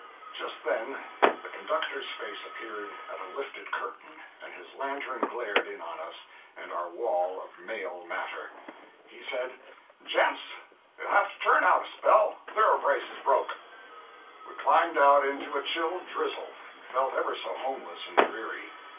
Just then the conductor's face appeared at a lifted curtain, and his lantern glared in on us and our wall of mail matter. He said: "Gents, you'll have to turn out a spell. Thoroughbrace is broke." We climbed out into a chill drizzle, and felt ever so homeless and dreary.